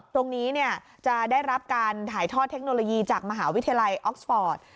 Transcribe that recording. ตรงนี้จะได้รับการถ่ายทอดเทคโนโลยีจากมหาวิทยาลัยออกสปอร์ต